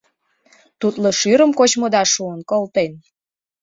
Тутло шӱрым кочмыда шуын колтен?..